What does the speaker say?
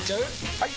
・はい！